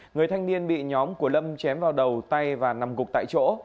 người thanh niên bị nhóm của lâm chém vào đầu tay và nằm gục tại chỗ